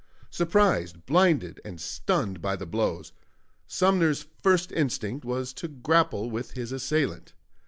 Surprised, blinded and stunned by the blows, Sumner's first instinct was to grapple with his assailant.